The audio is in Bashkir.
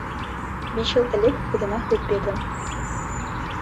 Биш йыл элек үҙемә һүҙ бирҙем.